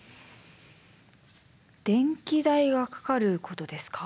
電気代がかかることですか？